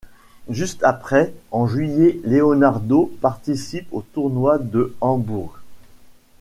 Juste après en juillet Leonardo participe au tournoi de Hambourg.